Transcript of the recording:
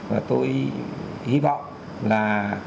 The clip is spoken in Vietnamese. và tôi hy vọng là